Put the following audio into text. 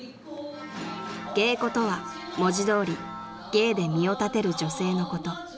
［芸妓とは文字通り芸で身を立てる女性のこと］